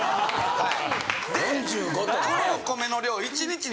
はい。